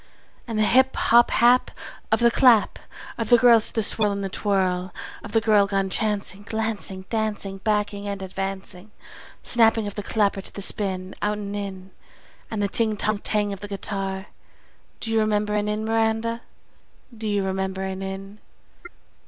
And the hip! hop! hap! Of the clap Of the hands to the swirl and the twirl Of the girl gone chancing, Glancing, Dancing, Backing and advancing, Snapping of the clapper to the spin Out and in And the ting, tong, tang of the guitar! Do you remember an Inn, Miranda? Do you remember an Inn?